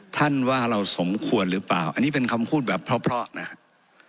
ว่าเราสมควรหรือเปล่าอันนี้เป็นคำพูดแบบเพราะนะครับ